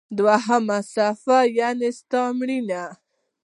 دوهمه صفحه: یعنی ستا مړینه.